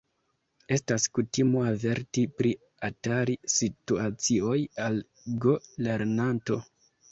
Estas kutimo averti pri atari-situacioj al go-lernanto.